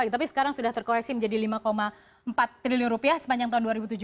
tapi sekarang sudah terkoreksi menjadi lima empat triliun rupiah sepanjang tahun dua ribu tujuh belas